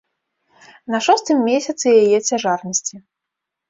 На шостым месяцы яе цяжарнасці.